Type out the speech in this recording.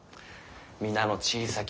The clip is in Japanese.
皆の小さき